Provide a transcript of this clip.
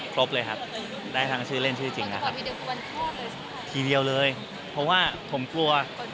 ครบเลยครับได้ทั้งชื่อเล่นชื่อจริงครับทีเดียวเลยเพราะว่าผมกลัว